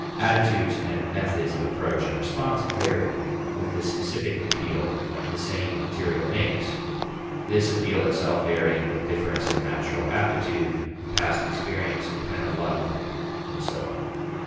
Attitudes and methods of approach and response vary with the specific appeal the same material makes, this appeal itself varying with difference of natural aptitude, of past experience, of plan of life, and so on.